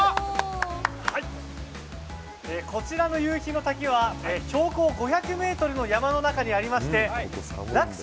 こちらの夕日の滝は標高５００ｍの山の中にありまして落差